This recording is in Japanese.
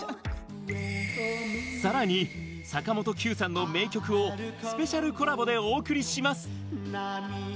さらに坂本九さんの名曲をスペシャルコラボでお送りします。